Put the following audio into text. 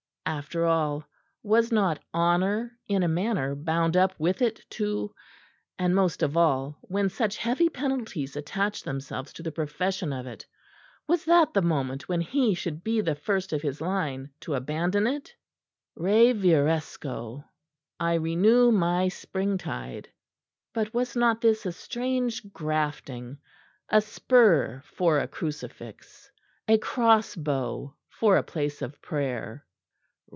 After all, was not honour in a manner bound up with it too; and most of all when such heavy penalties attached themselves to the profession of it? Was that the moment when he should be the first of his line to abandon it? Reviresco "I renew my springtide." But was not this a strange grafting a spur for a crucifix, a crossbow for a place of prayer?